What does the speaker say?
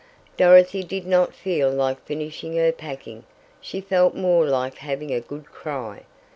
Dorothy did not feel like finishing her packing. She felt more like having a good cry.